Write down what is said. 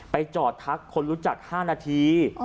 จอดทักคนรู้จัก๕นาที